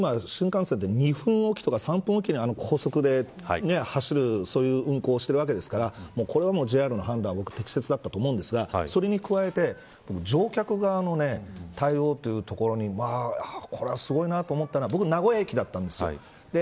谷原さんが言われるように新幹線は２分おきとか３分おきに高速で走る運行をしているわけですからこれはＪＲの判断は適切だったと思うんですがそれに加えて乗客側の対応というところにこれはすごいなと思ったのは僕は名古屋駅だったんです。